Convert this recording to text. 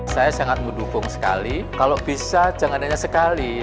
saya sangat mendukung sekali kalau bisa jangan hanya sekali